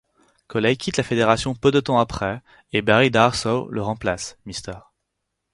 Colley quitte la fédération peu de temps après et Barry Darsow le remplace, Mr.